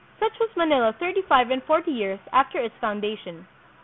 Such was Manila thirty five and forty years after its founda tion.